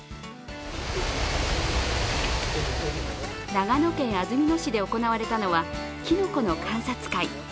長野県安曇野市で行われたのはきのこの観察会。